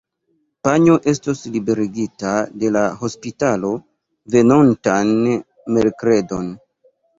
Panjo estos liberigita de la hospitalo venontan merkredon.